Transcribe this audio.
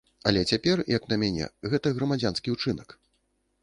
Але цяпер, як на мяне, гэта грамадзянскі ўчынак.